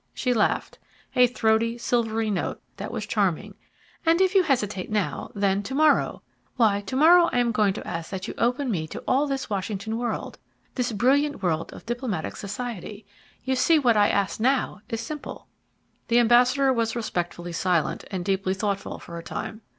She laughed a throaty, silvery note that was charming. "And if you hesitate now, then to morrow why, to morrow I am going to ask that you open to me all this Washington world this brilliant world of diplomatic society. You see what I ask now is simple." The ambassador was respectfully silent and deeply thoughtful for a time.